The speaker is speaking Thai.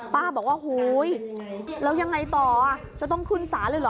ป้าบอกว่าโหยแล้วยังไงต่อจะต้องขึ้นศาลเลยเหรอ